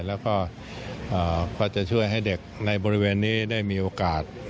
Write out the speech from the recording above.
แล้วก็จะช่วยให้เด็กในบริเวณนี้ได้มีโอกาส